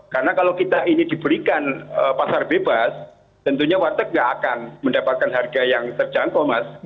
karena kalau kita ini diberikan pasar bebas tentunya warteg nggak akan mendapatkan harga yang terjangkau mas